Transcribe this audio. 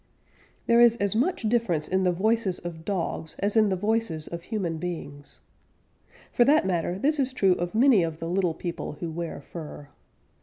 _ There is as much difference in the voices of dogs as in the voices of human beings. For that matter, this is true of many of the little people who wear fur.